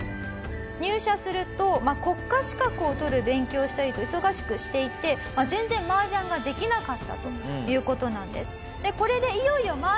入社すると国家資格を取る勉強をしたりと忙しくしていて全然麻雀ができなかったという事なんです。